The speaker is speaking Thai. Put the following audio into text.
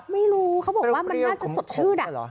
ไม่รู้เขาบอกว่ามันน่าจะสดชื่น